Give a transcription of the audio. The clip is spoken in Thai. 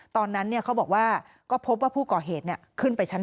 ตอนนั้นเขาบอกว่าก็พบว่าผู้ก่อเหตุขึ้นไปชั้น๒